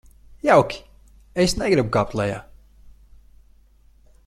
Jauki, es negribu kāpt lejā.